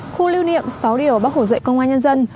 khu lưu niệm sáu điều bác hồ dạy công an nhân dân